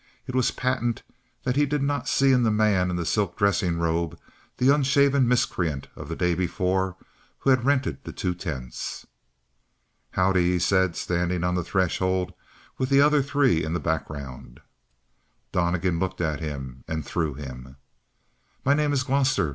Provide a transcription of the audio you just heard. It was patent that he did not see in the man in the silk dressing robe the unshaven miscreant of the day before who had rented the two tents. "How'dee," he said, standing on the threshold, with the other three in the background. Donnegan looked at him and through him. "My name is Gloster.